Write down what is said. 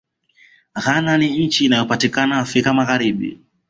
ghana ni nchi inayopatikana afrika magharibi